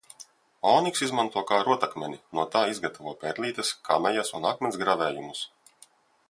Oniksu izmanto kā rotakmeni – no tā izgatavo pērlītes, kamejas un akmens gravējumus.